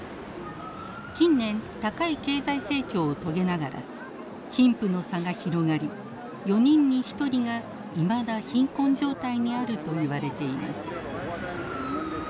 近年高い経済成長を遂げながら貧富の差が広がり４人に１人がいまだ貧困状態にあるといわれています。